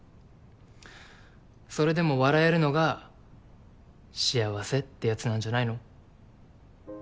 それでも笑えるのが幸せってやつなんじゃないの？